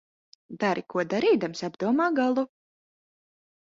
Dari ko darīdams, apdomā galu.